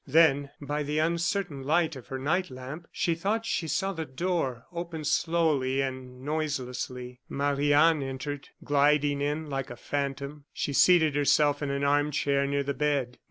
Then, by the uncertain light of her night lamp, she thought she saw the door open slowly and noiselessly. Marie Anne entered gliding in like a phantom. She seated herself in an arm chair near the bed.